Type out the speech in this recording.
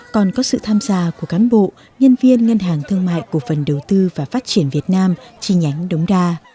còn có sự tham gia của cán bộ nhân viên ngân hàng thương mại cổ phần đầu tư và phát triển việt nam chi nhánh đống đa